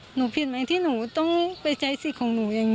ผิดไหมที่หนูต้องไปใช้สิทธิ์ของหนูอย่างนี้